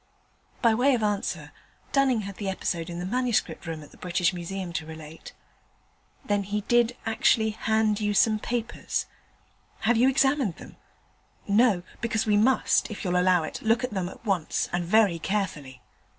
By way of answer, Dunning had the episode in the Manuscript Room at the British Museum to relate. 'Then he did actually hand you some papers; have you examined them? No? because we must, if you'll allow it, look at them at once, and very carefully.'